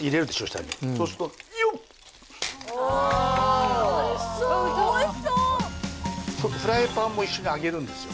下にそうするとよっ・おっおいしそうおいしそうフライパンも一緒に上げるんですよ